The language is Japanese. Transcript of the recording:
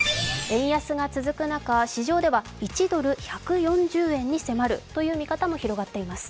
円安が続く中市場では１ドル＝１４０円に迫るという見方も広がっています。